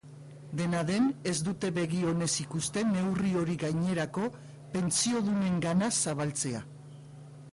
Dena den, ez dute begi onez ikusten neurri hori gainerako pentsiodunengana zabaltzea.